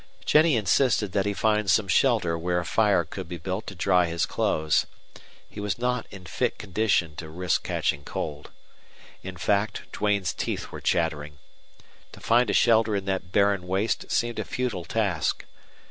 Jennie insisted that he find some shelter where a fire could be built to dry his clothes. He was not in a fit condition to risk catching cold. In fact, Duane's teeth were chattering. To find a shelter in that barren waste seemed a futile task.